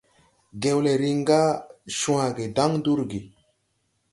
Gewle riŋ ga cwage dan durgi.